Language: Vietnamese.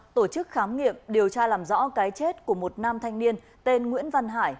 tổ chức khám nghiệm điều tra làm rõ cái chết của một nam thanh niên tên nguyễn văn hải